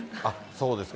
そうですか。